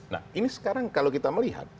nah ini sekarang kalau kita melihat